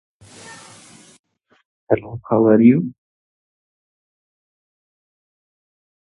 It also stimulated overseas interest in the new colony.